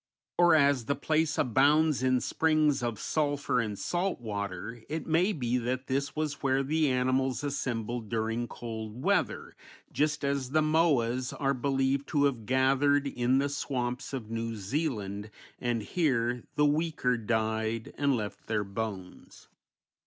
Or as the place abounds in springs of sulphur and salt water it may be that this was where the animals assembled during cold weather, just as the moas are believed to have gathered in the swamps of New Zealand, and here the weaker died and left their bones.